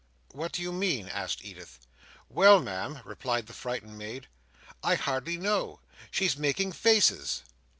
"What do you mean?" asked Edith. "Well, Ma'am," replied the frightened maid, "I hardly know. She's making faces!"